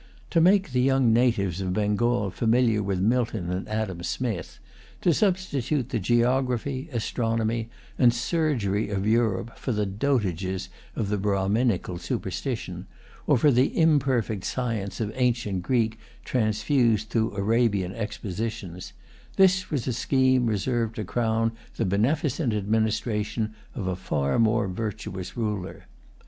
To make the young natives of Bengal familiar with Milton and Adam Smith, to substitute the geography, astronomy, and surgery of Europe for the dotages of the Brahminical superstition, or for the imperfect science of ancient Greece transfused through Arabian expositions—this was a scheme reserved to crown the beneficent administration of a far more virtuous ruler.